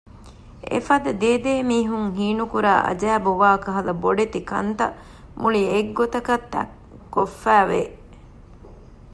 އެފަދަ ދޭދޭ މީހުން ހީނުކުރާ އަޖައިބު ވާކަހަލަ ބޮޑެތި ކަންތައް މުޅިން އެއްގޮތަކަށް ކޮށްފައިވެ